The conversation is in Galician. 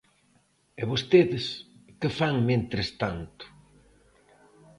E vostedes ¿que fan mentres tanto?